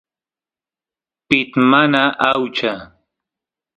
pit mana aucha